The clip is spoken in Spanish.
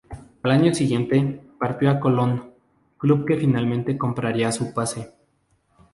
Al año siguiente partió a Colón, club que finalmente compraría su pase.